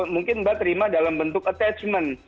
mungkin mbak terima dalam bentuk attachment